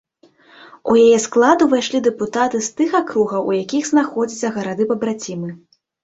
У яе склад увайшлі дэпутаты з тых акругаў, у якіх знаходзяцца гарады-пабрацімы.